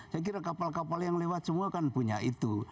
saya kira kapal kapal yang lewat semua kan punya itu